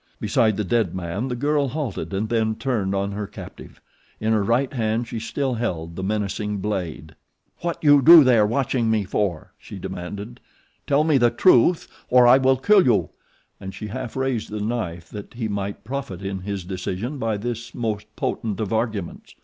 Beside the dead man the girl halted and then turned on her captive. In her right hand she still held the menacing blade. "What you do there watching me for?" she demanded. "Tell me the truth, or I kill you," and she half raised the knife that he might profit in his decision by this most potent of arguments.